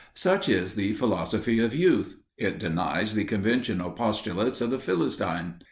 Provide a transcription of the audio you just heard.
Such is the philosophy of youth. It denies the conventional postulates of the Philistine.